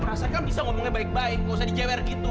perasaan kan bisa ngomongnya baik baik nggak usah dijewer gitu